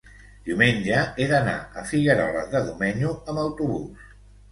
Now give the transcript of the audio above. Diumenge he d'anar a Figueroles de Domenyo amb autobús.